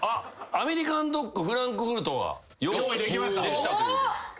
アメリカンドッグフランクフルトが用意できたと。